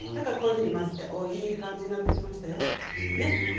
混ぜていい感じになってきましたよ。